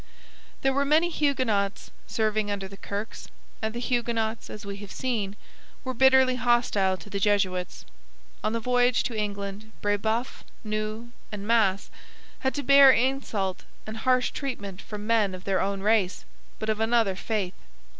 There were many Huguenots serving under the Kirkes, and the Huguenots, as we have seen, were bitterly hostile to the Jesuits. On the voyage to England Brebeuf, Noue, and Masse had to bear insult and harsh treatment from men of their own race, but of another faith.